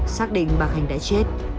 xác định bà khanh đã chết